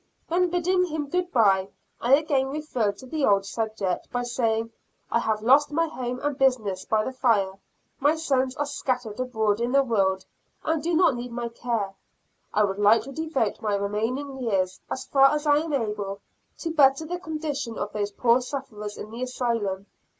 When bidding him good bye, I again referred to the old subject, by saying, "I have lost my home and business by the fire; my sons are scattered abroad in the world and do not need my care; I would like to devote my remaining years, as far as I am able, to better the condition of those poor sufferers in the Asylum."